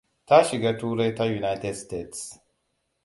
Ta shiga turai ta United States.